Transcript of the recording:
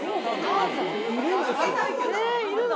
えぇ！いるの？